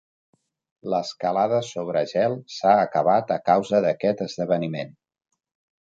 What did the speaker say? L'escalada sobre gel s'ha acabat a causa d'aquest esdeveniment.